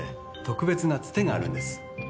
特別な伝手があるんです